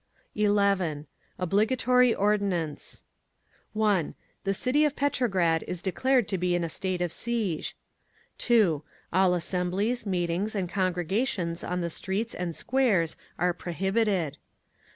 11. OBLIGATORY ORDINANCE 1. The city of Petrograd is declared to be in a state of siege. 2. All assemblies, meetings and congregations on the streets and squares are prohibited.